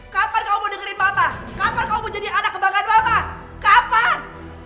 kapan kamu mau dengerin mama kapan kamu mau jadi anak kebanggaan mama kapan